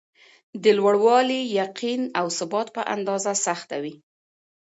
د لوړوالي ،یقین او ثبات په اندازه سخته وي.